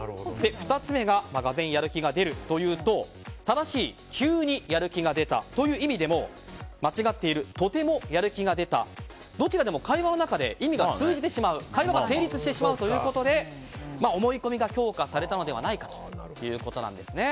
２つ目ががぜん、やる気が出ると言うと正しい急にやる気が出たという意味でも間違っているほうのとてもやる気が出たでもどちらでも会話の中で意味が通じてしまう、会話が成立してしまうということで思い込みが強化されたのではないかということですね。